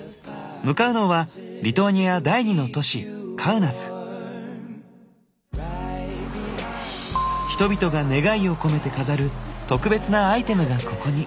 向かうのはリトアニア第２の都市人々が願いをこめて飾る特別なアイテムがここに。